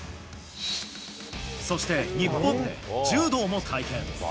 そして日本で柔道も体験。